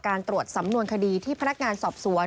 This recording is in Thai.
ตรวจสำนวนคดีที่พนักงานสอบสวน